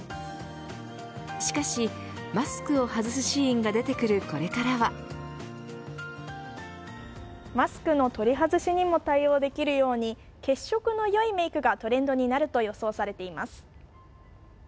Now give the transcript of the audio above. しかし、マスクを外すシーンが出てくるこれからはマスクの取り外しにも対応できるように血色の良いメークがトレンドになると予想されています。